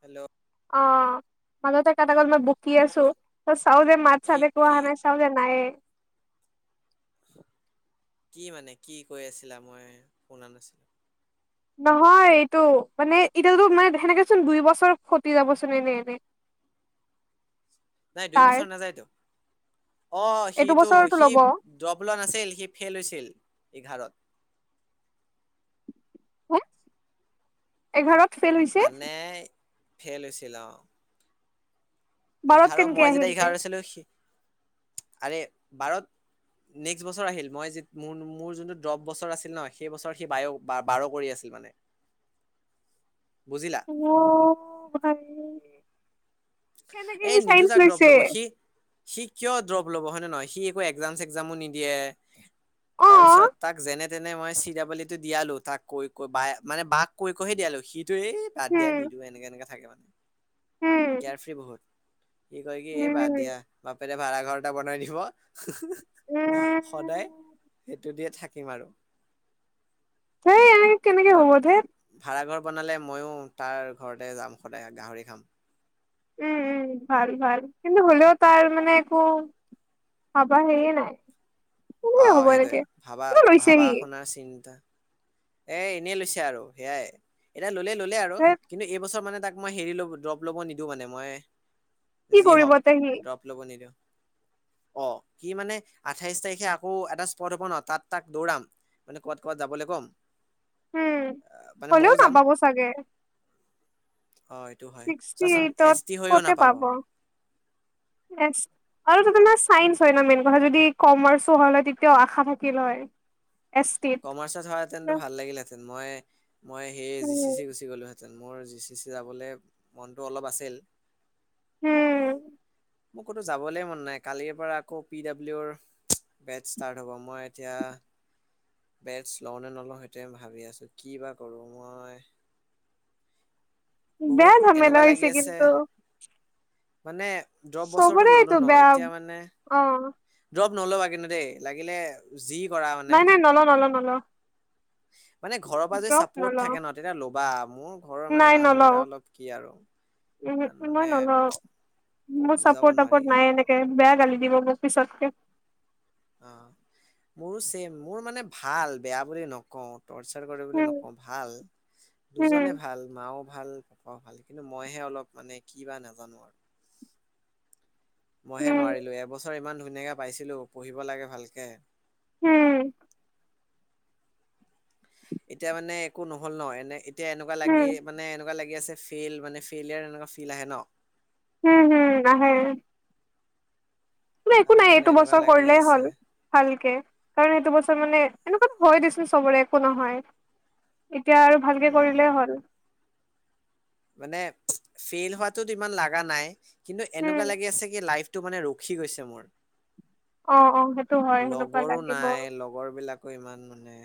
Hello অ' মাজতে কটা গ'ল, মই বকি আছো ত চাও যে মাত কি চাত একো কি অহা নাই। চাওনে নাইয়ে। কি মানে কি কৈ আছিলা মই শুনা নাছিলো? নহয় এইটো মানে এতিয়াটো মানে সেনেকে চোন দুই বছৰ খতি যাবচোন এনে এনে। [inaudible] নাই দুই তাৰ বছৰ নাযায়তো, অ' এইটো সিটো বছৰতো সি ল'ব দ্ৰপ লোৱা নাছিল, সি ফেইল হৈছিল এঘাৰত। হে এঘাৰত ফেইল হৈছে মানে ফেইল হৈছিল অ'। বাৰত এঘাৰ কেনেকে মই আহিল যেতিয়া তে। এঘাৰ আছিলো, আৰে বাৰত নেক্সট বছৰ আহিল, মই যি মোৰ মোৰ যোনটো ড্ৰপ বছৰ আছিল ন সেই বছৰ সি বায়' বাৰ কৰি আছিল মানে। বুজিলা। অ' ভাই কেনেকে এই সি নিদু চাইন্স যাক ড্ৰপ লৈছে। ল'ব সি সি কিয় ড্ৰপ ল'ব, হয় নে নহয়? সি একো একজাম চেগজামো নিদিয়ে। তাৰপিছত অ', তাক যেনে তেনে মই চি ডব্লিউ ই টো দিয়ালো তাক কৈ কৈ, বাই মানে বাক কৈ কৈহে দিয়ালো, সি টোৱে এই বাদ দিয়া, উম, নিদিৱে এনেকে এনেকে থাকে মানে। উম, কেয়াৰ ফ্ৰী বহুত, সি কয় কি? এই বাদ উম, দিয়া, বাপেৰে ভাড়া ঘৰ এটা বনাই দিব উম। সদায় সেইটোৱে দিয়ে থাকিম আৰু। থেই, আই কেনেকে হ'ব ধেইত ভাৰা ঘৰ বনালে ময়ো তাৰ ঘৰতে যাম সদায়, গাহৰি খাম। উম উম, ভাল ভাল, কিন্তু হ'লেও তাৰ মানে একো ভাৱা হেৰিয়ে নাই। কেনেকে অ', হ'ব এনেকে সেইটোৱেই, ভাবা কিয় লৈছে ভাবা সি শুনাৰ চিন্তা এই এনেই লৈছে আৰু সেয়াই, এতিয়া ললে ললে আৰু ধেৎ কিন্তু এইবছৰ মানে তাক মই হেৰি ল'ব ড্ৰপ ল'ব নিদিওঁ মানে, কি মই যি কৰিব হওঁক তে সি ড্ৰপ ল'ব নিদিওঁ। অ', কি মানে আঠাইশ তাৰিখে আকৌ এটা স্পট হ'ব ন, তাত তাক দৌৰাম। মানে ক'বাত ক'বাত যাবলৈ কম। উ, আহ, মানে হ'লেও ময়ও যাম নাপাব চাগে। অ', এইটো হয়, ছিক্সটি চোৱাচোন এইটত এছ টি হৈয়ো ক'তে নাপাব। পাব এছ। আৰুটো তোমাৰ চাইন্স হয় ন, মেইন কথা যদি কমাৰ্চো হ'ল হয়, তেতিয়াও আশা থাকিল হয়। এছ টিত কমাৰ্চত হোৱাহেঁতেনটো ভাল লাগিলহেঁতেন, মই মই সেই জি চি উম চি গুচি গ'লোহেতেন। মোৰ জি চি চি যাবলে, মনটো অলপ আছিল। উ। মোৰ ক'তো যাবলৈ মন নাই, কালিৰ পৰা আকৌ পি ডাব্লিউৰ বেটছ ষ্টাৰ্ট হ'ব, মই এতিয়া বেটছ লওঁ নে নলওঁ সেইটোৱেই ভাবি আছো, কি বা কৰো মই। বহুত বেয়া ঝামেলা এনেকুৱা লাগি হৈছে আছে, কিন্তু মানে ড্ৰপ চবৰে বছৰটো ল'লো এইটো ন, বেয়া এতিয়া মানে, অ ড্ৰপ নল'বা কিন্তু দেই, লাগিলে যি কৰা মানে নলওঁ, নলওঁ, নলওঁ। মানে ঘৰৰ পৰা যে চাপৰ্ট নলও থাকে ন, তেতিয়া ল'বা, মোৰ ঘৰৰ নাই মানে নলও মানুহকেইটা অলপ কি আৰু, উমহো ইমান মই মানে নলও ক মোৰ বুজাব চাপৰ্ট নোৱাৰি টাপৰ্ট নাই সেইকাৰণে এনেকে, বেয়া গালি দিব মোক পিছতকে। অ', মোৰো ছেম, মোৰ মানে ভাল, বেয়া বুলি নকওঁ। তৰ্চাৰ কৰে বুলি উম নকওঁ, ভাল, উম, দুজনেই ভাল মাওঁ ভাল, পাপাওঁ ভাল, কিন্তু মইহে অলপ মানে কি বা নাজানো আৰু। মইহে উম, নোৱাৰিলোঁ, এবছৰ ইমান ধুনীয়াকৈ পাইছিলোঁ, পঢ়িব লাগে ভালকে উ। এতিয়া মানে একো নহ'ল ন, এনে, এতিয়া এনেকুৱা উম, লাগে উম, মানে এনেকুৱা লাগি আছে, ফেইল মানে, ফেইলিয়াৰ এনেকুৱা ফিল আহে ন। হু, হু, আহে। একো আৰু নাই, মানে এইটো এনেকুৱা বছৰ লাগি কৰিলেই আছে হ'ল। ভালকে, কাৰণ এইটো বছৰ মানে এনেকুৱাত হয় দিয়াচোন চবৰে, একো নহয়। এতিয়া আৰু ভালকে উম কৰিলেই হ'ল। মানে ফেইল হোৱাটো তো ইমান লগা নাই, কিন্তু উম, এনেকুৱা লাগি আছে কি লাইফ টো মানে ৰখি গৈছে মোৰ। অ', অ', সেইটো হয়। সেনেকুৱা লগৰো লাগিব। নাই, লগৰ বিলাকো ইমান মানে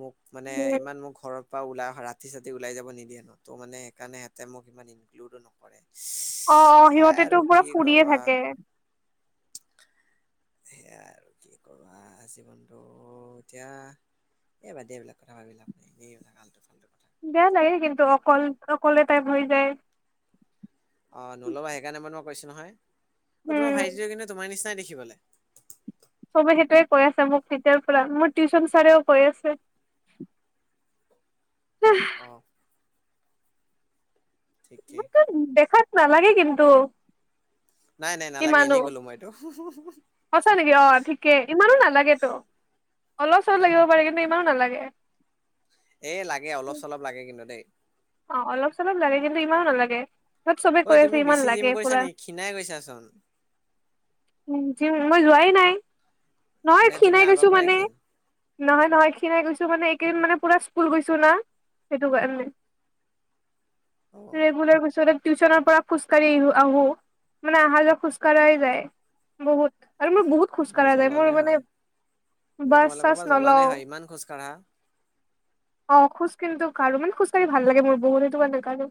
মোক মানে, উম, ইমান মোক ঘৰত পা ওলাই অহা ৰাতি-চাতি ওলাই যাব নিদিয়ে ন। ত' মানে সেইকাৰণে সিঁহতে মোক ইমান [unintelligible] নক [unintelligible] অ', অ', সেয়াই সিহঁতেতো আৰু পুৰা কি ফুৰিয়ে কবা! থাকে। সেয়াই আৰু কি কবা, জীৱনটো এতিয়া? এ, বাদ দিয়া, এইবিলাক কথা ভাবি লাভ নাই [unintelligible] বেয়া লাগে কিন্তু! অকল অকলে তাইপ হৈ যায়। অ', নল'বা, সেকাৰনে মই তোমাক কৈছোঁ নহয়, অ', উম, তোমাৰ ভাইটিটো কিন্তু তোমাৰ নিচিনাই দেখিবলে। চবে সেইটোৱে কৈ আছে মোক তেতিয়াৰ পৰা, মোৰ টিউচন ছাৰেও কৈ আছে। [unintelligible] অ'। ঠিকেই মোৰতো দেখাত নালাগে কিন্তু? নাই নাই নালাগে ইমানো এনেই কলো মই এইটো। সঁচা নেকি? অঁ' ঠিকে ইমানো নালাগেতো অলপ চলব লাগিব পাৰে, কিন্তু ইমানো নালাগে। এ লাগে অলপ চলপ লাগে কিন্তু দেই। অঁ' অলপ চলপ লাগে, কিন্তু ইমানো নালাগে। থত চবে ঐ কৈ আছে তুমি ইমান বেছি জিম লাগে কৰিছা পুৰা। নেকি ক্ষীণাই গৈছাচোন উম' জিম মই যোৱাই নাই। নহয় নে তুমি খীনাই আগৰ গৈছো পৰাই মানে- ক্ষীণ নহয় নহয়, খিনাই গৈছোঁ মানে এইকেইদিন মানে পুৰা স্কুল গৈছো না সেইটো কাৰণে। অ এ সেইবোলৈ পিছতে টিউচনৰ পৰা- খোজকাঢ়ি আহো, মানে আহা যোৱা খোজকাঢ়াই যায় বহুত, আৰু ময় বহুত- খোজ মই কঢ়া যায়। জ্বলনে মোৰ হয় মানে মই বাছ তোমালোকৰ চাছ পৰা জ্বলনে নলাও। হয় ইমান খোজ কাঢ়া অঁ' খোজ কিন্তু কাৰো। মানে খোজ কাঢ়ি- ভাল লাগে মোৰ বহুতেতো নেকাঢ়ে,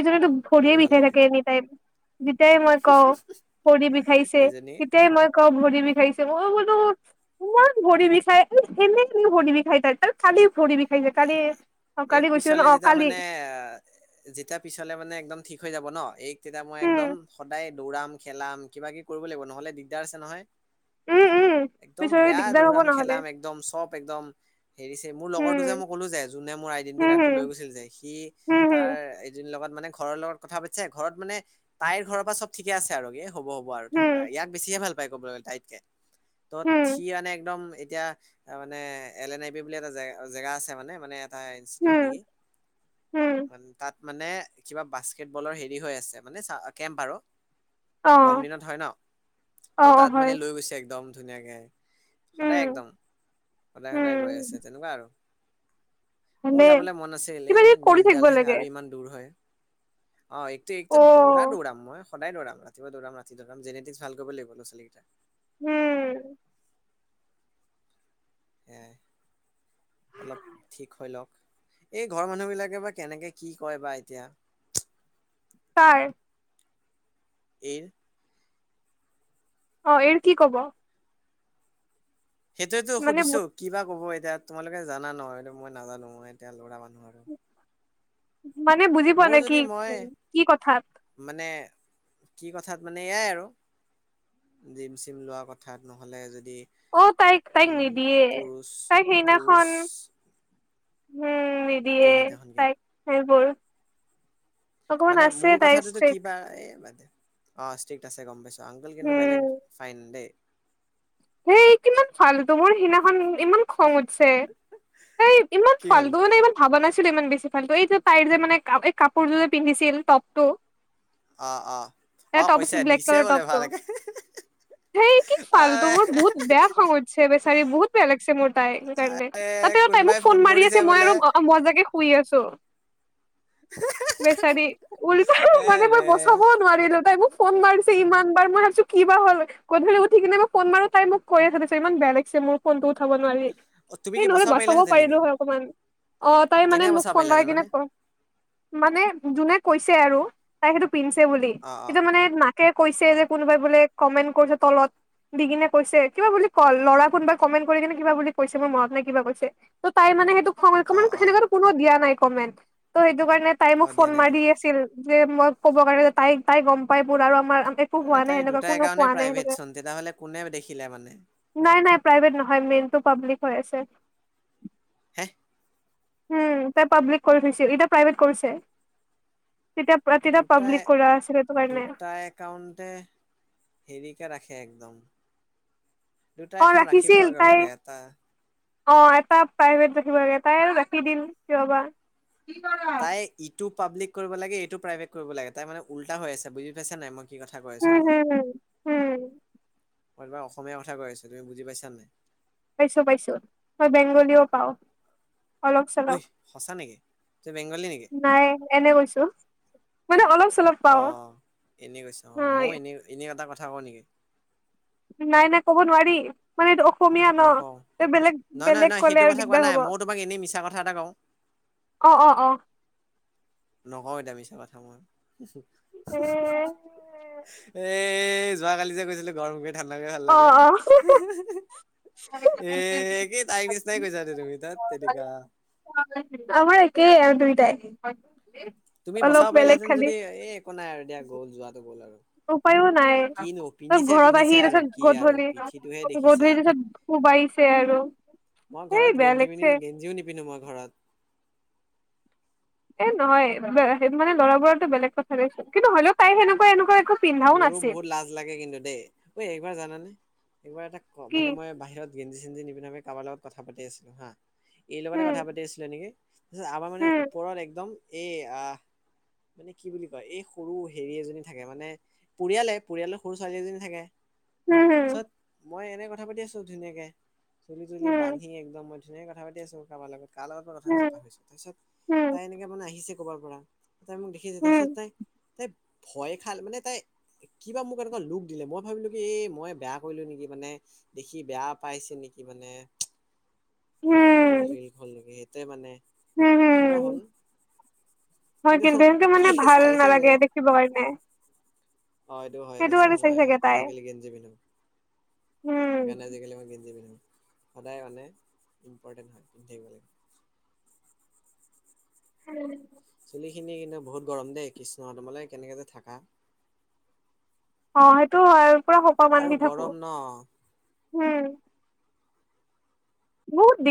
এইজনিতো ভৰিয়ে মোৰো ভাল বিষাই লাগে থাকে এনি টাইম। যেতিয়াই মই কওঁ ভৰি বিষাইছে এইজনী তেতিয়াই মই- কওঁ ভৰি বিষাইছে, ময় বোলো- ইমান ভৰি বিষায়, উমহ এনেই এনেই ভৰি বিষায় তাৰ। তাৰ কালি ভৰি বিষাইছে কালি- অ এক কালি গৈছিলো ন পিছালে অ যেতিয়া কালি মানে অ'- যেতিয়া পিছলে মানে একদম ঠিক হৈ যাব ন, এইক তেতিয়া মই একদম উম সদায়- দৌৰাম খেলাম কিবা কিবি কৰিব লাগিব, নহলে দিগদাৰ আছে নহয়। উম উম একদম পিছৰে বেয়া দিগদাৰ হ'ব দৌৰাম নহ'লে খেলাম একদম চব একদম হেৰিছে মোৰ লগৰটো যে উম মোক- কলো যে যোনে মোৰ আইডেণ্টি হম কাৰ্ডটো লৈ গৈছিল যে, সি হম তাৰ হম এজনী লগত মানে ঘৰৰ লগত- কথা পাতিছে, ঘৰত মানে তাইৰ ঘৰৰ পৰা চব ঠিকে আছে আৰু কি- হ'ব হব আৰু হম তেনেকুৱা, ইয়াক বেছিয়ে ভাল পায় ক'ব গলে তাইতকে। তত হম সি মানে একদম এতিয়া মানে এল এন আই বি বুলি এটা জে জেগা আছে মানে মানে- তাৰ ইনষ্টিটিউট হম নেকি? হম মানে- তাত মানে কিবা বাস্কেট বলৰ হেৰি হৈ আছে মানে কেম্প আৰু। অ গৰম দিনত হয় ন? অ ত' অ তাত হয় মানে লৈ গৈছে একদম ধুনীয়াকে। সদায় উম একদম, সদায় সদায় উম গৈ আছে তেনেকুৱা আৰু। মোৰ ভালে যাবলে মন আছিল, কিবা কিবি এ কৰি থাকিব নিটডাল হে লাগে আৰু ইমান- দূৰ হয়। অঁ' একটো অ একদম পুৰা দৌৰাম মই। সদায় দৌৰাম। ৰাতি পুৱা দৌৰাম, ৰাতি দৌৰাম জেনেটিক ভাল কৰিব লাগ ল' ছোৱালীকেইটাক। উম! এঁ' অলপ ঠিক হৈ লওক। এই ঘৰৰ মানুহ বিলাকে বা কেনেকে কি কয় বা এতিয়া? কাৰ? এইৰ। অঁ' এই কি কব? সেইটোয়েতো মানে সুধিছো, কিবা কব এতিয়া তোমালোকে জানা নহয় সেটো মই নাজানো ময় এতিয়া ল'ৰা মানুহ আৰু। মানে বুজি পোৱা মোৰ নাই যদি কি মই কি কথাত? মানে কি কথাত মানে এয়াই আৰু। জিম চিম লোৱা কথাত নহ'লে যদি- অঁ' তাইক তাইক উম নিদিয়ে, পুৰুষ তাইক পুৰুষ সেইদিনাখন- হুম কি নিদিয়ে সেইদিনাখন কি তাইক সেইবোৰ। অকমান মানে আছে মোৰ তাই কথাটোতো ষ্ট্ৰিক কিবা? এ বাদ দে। অঁ' ষ্ট্ৰিক্ট আছে গম পাইছো, আংকল কিন্তু উম বেলেগ ফাইন দেই। হেই কিমান ফালতো, মোৰ সিদিনাখন ইমান খং উঠছে। হেই ইমান কি হ'ল ফালতু মানে ইমান ভাবা নাছিলো ইমান বেছি ফালতু এই যে তাই যে মানে এই কাপোৰযোৰ যে পিন্ধিছিল টপটো। অ অ। এ অ টপ কৈছে আছিল ব্লেক দিছে কালাৰ বোলে টপটো ভালকে সেই কি অ ফালতু বহুত বেয়া খং উঠছে বেচাৰি বহুত বেয়া লাগিছে মোৰ তাইৰ কাৰণে। এ তাতে তাই মোক কোনোবাই ফোন মাৰি আছে কৰিছে মই বোলে আৰু ঘৰত মজাকে শুই আছো। বেচাৰি উলতা ও এ মানে ৰে বচাবও নোৱাৰিলো তাই মোক ফোন মাৰিছে ইমান বাৰ মই ভাবিছো কি বা হ'ল, গধূলি উঠি কিনে মোক ফোন মাৰো তাই মোক কয়ে থৈ দিছে ইমান বেয়া লাগিছে মোৰ ফোনটো উঠাব নোৱাৰি। অ তুমি সেই কি নহ'লে বচাব পাৰিলাহেঁতেন নেকি? পাৰিলো হয় অকমান অ', তাই মানে কেনেকে মোক বচাব ফোন লগাই পাৰিলাহেঁতেন কিনে মানে ক মানে যোনে কৈছে আৰু তাই সেইটো পিন্ধছে বুলি, অ অ এতিয়া মানে মাকে কৈছে অ যে কোনোবাই বোলে কমেন্ট কৰিছে তলত। দি কিনে কৈছে কিবা বুলি ক ল'ৰা কোনোবাই কমেণ্ট কৰি কিনে কিবা বুলি কৈছে মোৰ মনত নাই কিবা কৈছে। ত' তাই মানে সেইটো খং অ অ সেনে কোনো দিয়া নাই কমেণ্ট ত' সেইটো কাৰণে তাই অ মোক ফোন দিয়া নাইতো মাৰি আছিল যে মই ক'ব কাৰণে যে তাই তাই গ'ম পাই আৰু আমাৰ একো হোৱা আৰে নাই তাইৰ সেনেকুৱা দুটা কোনো কোৱা একাউন্টেই নাই প্ৰাইভেট সেনেকে চোন, তেতিয়াহ'লে কোনে দেখিলে মানে? নাই নাই প্ৰাইভেট নহয় মেইনটো পাব্লিক হৈ আছে। হে? উম, তাই পাব্লিক কৰি থৈছে এতিয়া প্ৰাইভেট কৰিছে। তেতিয়া তেতিয়া দুটাই পাব্লিক কৰা আছিল সেইটো কাৰনে। [unintelligible] হেৰিকে ৰাখে একদম। দুটা অ একাউন্ট ৰাখিছিল ৰাখিবই কিয় তাই লাগে এটা। অ', এটা প্ৰাইভেট ৰাখিব লাগে তাই ৰাখি দিল কিয়বা! কি ক'ৰ? তাই ইটো পাব্লিক কৰিব লাগে এইটো প্ৰাইভেট কৰিব লাগে তাই মানে উল্টা হৈ আছে বুজি পাইছা নাই মই কি কথা কৈ আছো হম তোমাক? হম উম মই তোমাক অসমীয়া কথা কৈ আছো তুমি বুজি পাইছা নে নাই? পাইছো পাইছো মই বেংগলীও পাও। অলপ ঐ চলপ সঁচা নেকি তুই বেংগলী নেকি? নাই এনে কৈছো। মানে অলপ চলপ পাও অ', এনে কৈছা অ', মইও হয় এনে এনে এটা কথা কওঁ নেকি? নাই নাই ক'ব নোৱাৰি। মানে এইটো অসমীয়া ন' নকওঁ ত' বেলেগ নহয় নহয় বেলেগ নহয় কলে সেইটো আৰু কথা কোৱা দিগদাৰ নাই হ'ব। ময়ো তোমাক এনেই মিছা কথা এটা কওঁ অ', অ', অ'। নকওঁ এতিয়া মিছা কথা মই। এ এই যোৱাকালি যে গৈছিলো গৰমকে ঠাণ্ডাকে ভাল অ লাগে। অ এই একেই তাইৰ নিচিনাকে কৈছা তুমি ধেইত তেৰিকা। আমাৰ একেই আৰু দুইটাই। তুমি অলপ বচাব বেলেগ পাৰিলাহেতেন খালি যদি এ একো নাই আৰু দিয়া গ'ল যোৱাটো গ'ল আৰু। উপায়ো নাই এ কিনো ত' পিন্ধিছে ঘৰত পিন্ধিছে আহি তাৰ আৰু কি পিছত আৰু গধূলি পিঠিটোহে দেখিছে। গধূলি তাৰপিছত কোবাইছে আৰু। মই এই ঘৰত বেয়া গেঞ্জি লাগিছে পি গেঞ্জীও নিপিন্ধো মই ঘৰত। এ নহয় সেইটোমানে ল'ৰাবোৰতো বেলেগ কথা নাইচোন কিন্তু হ'লেই তাই সেনেকুৱা এনেকুৱ একো পিন্ধাও মোৰো নাছিল বহুত লাজ লাগে কিন্তু দেই, ঐ একবাৰ জানানে একবাৰ এটা ক কি মানে মই বাহিৰত গেঞজি-চেঞ্জি নিপিন্ধাকে কাৰোবাৰ লগত কথা পাতি আছিলো হা, এই লগতে হম কথা পাতি আছিলে নেকি! তাৰপিছত আমাৰ মনে হম ওপৰত একদম এই আহ, মানে কি বুলি কয় এই সৰু হেৰি এজনী থাকে মানে পৰিয়ালে পৰিয়ালৰ সৰু ছোৱালী এজনী থাকে হুম হুম পিছত মই এনে কথা পাতি আছো ধুনীয়াকে তুলি তুলি হম বান্ধি একদম মই ধুনাকে কথা পাতি আছো কাৰোবাৰ লগত কাৰ লগত পৰা কথাটো যে হম পাহৰিছো তাৰ পিছত হম তাই এনেকে মানে আহিছে কবাৰ পৰা তাই মোক দেখিছে হম তাৰপিছত তাই তাই ভয় খাল মানে তাই কিবা মোক এনেকুৱা লোক দিলে মই ভাবিলো কি এই মই বেয়া কৰিলো নেকি মানে দেখি বেয়া পাইছে নেকি মানে হম আনকমফৰ্টেবল হ'ল নেকি মানে হম কি বা হ'ল হম কিন্তু কি চাইছে কিবা কাৰণে অ এইটো হয় সেইটো তাৰপিছত কাৰণে চাই মই চাগে তাই আজিকালি গেঞ্জি পিন্ধো উম সেইকাৰণে আজিকালি মই গেঞ্জি পিন্ধো সদায় মানে ইম্পৰ্টেণ্ট হয় পিন্ধি থাকিব লাগে উম চুলি খিনি কিন্তু বহুত গৰম দেই কৃষ্ণ ত মে কেনেকে যে থাকা হয় পুৰা খোপা আৰু বান্ধি থাকো গৰম ন উম মোৰ দি